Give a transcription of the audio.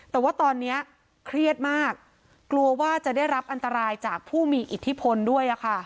แต่ว่าตอนนี้เครียดมากกลัวว่าจะได้รับอันตรายจากผู้มีอิทธิพลด้วย